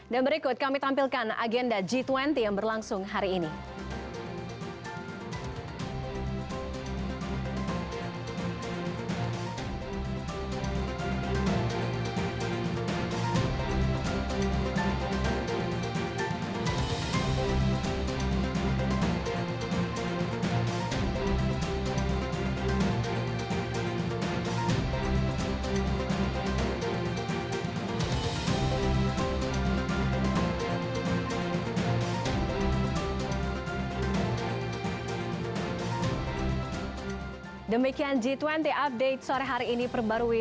dan berikut kami tampilkan agenda g dua puluh yang berlangsung hari ini